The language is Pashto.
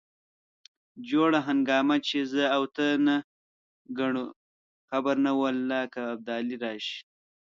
جوړه هنګامه چې زه او ته نه کړو قبر نه والله که ابدالي راشي.